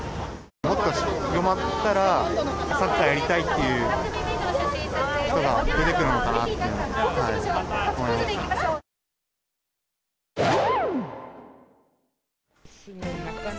もっと広まったら、サッカーやりたいという人が出てくるのかなっていうのは、思いますね。